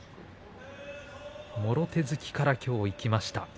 もろ手突きからきょういきました。